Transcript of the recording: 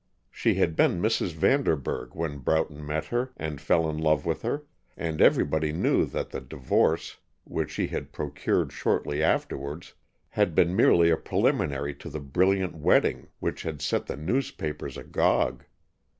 She had been Mrs. Vanderburg when Broughton met her and fell in love with her, and everybody knew that the divorce which she had procured shortly afterwards had been merely a preliminary to the brilliant wedding which had set the newspapers agog.